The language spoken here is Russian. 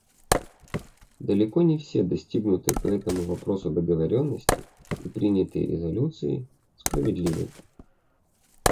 Далеко не все достигнутые по этому вопросу договоренности и принятые резолюции справедливы.